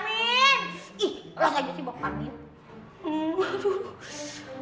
ih rasanya sih bang parmin